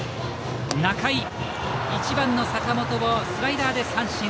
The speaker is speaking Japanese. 仲井、１番の坂本をスライダーで三振。